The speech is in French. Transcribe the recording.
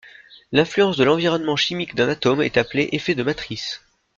L'influence de l'environnement chimique d'un atome est appelé effets de matrice.